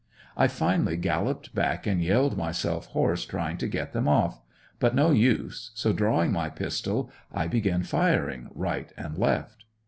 I finally galloped back and yelled myself hoarse trying to get them off; but no use, so drawing my pistol I began firing right and left.